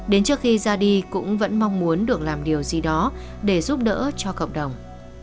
đến trước khi ra đi cũng vẫn mong muốn được làm điều gì đó để giúp đỡ cho cộng đồng